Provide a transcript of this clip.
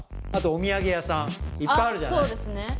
あとお土産屋さんあっそうですね